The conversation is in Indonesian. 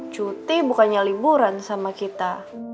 cuti bukannya liburan sama kita